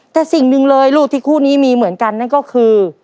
แต่สิ่งหนึ่งเลยลูกที่คู่นี้มีเหมือนกันนั่นก็คือ